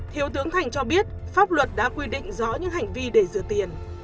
thiếu tướng thành cho biết pháp luật đã quy định rõ những hành vi để rửa tiền